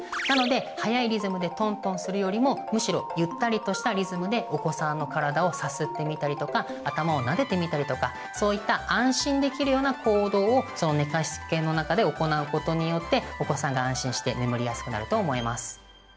なので早いリズムでトントンするよりもむしろゆったりとしたリズムでお子さんの体をさすってみたりとか頭をなでてみたりとかそういった安心できるような行動を寝かしつけの中で行うことによってお子さんが安心して眠りやすくなると思います。